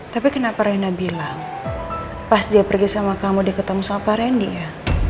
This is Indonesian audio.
tapi kenapa rina bilang pas dia pergi sama kamu dia ketemu pak randy ya